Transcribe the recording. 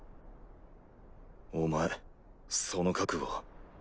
お前その覚悟。